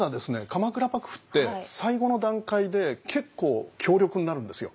鎌倉幕府って最後の段階で結構強力になるんですよ。